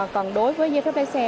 còn đối với giấy phép lái xe